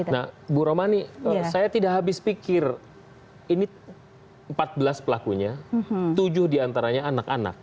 nah bu romani saya tidak habis pikir ini empat belas pelakunya tujuh diantaranya anak anak